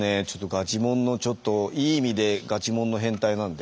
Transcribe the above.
ガチもんのちょっといい意味でガチもんの変態なんで。